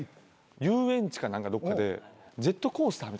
遊園地か何かどっかでジェットコースターみたいな。